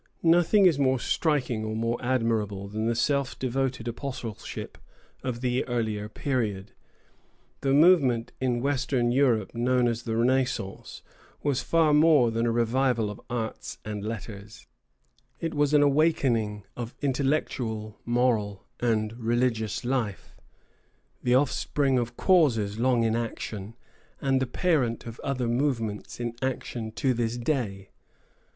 Nothing is more striking or more admirable than the self devoted apostleship of the earlier period. The movement in Western Europe known as the Renaissance was far more than a revival of arts and letters, it was an awakening of intellectual, moral, and religious life; the offspring of causes long in action, and the parent of other movements in action to this day.